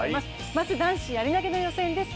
まず男子やり投の予選です。